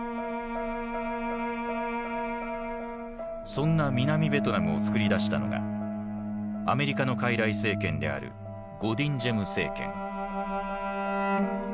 そんな南ベトナムをつくり出したのがアメリカの傀儡政権であるゴ・ディン・ジェム政権。